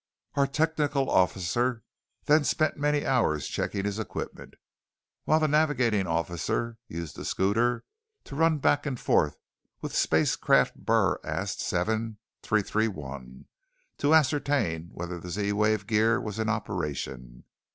Our technical officer then spent many hours checking his equipment while the navigating officer used the scooter to run back and forth with Spacecraft BurAst 7,331 to ascertain whether the Z wave gear was in operation.